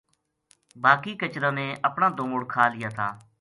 باقی کچراں نے اپن دُمڑ کھا لیا تھا